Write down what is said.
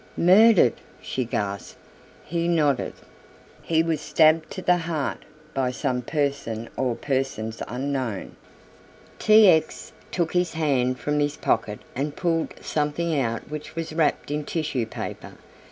"Murdered," she gasped. He nodded. "He was stabbed to the heart by some person or persons unknown." T. X. took his hand from his pocket and pulled something out which was wrapped in tissue paper.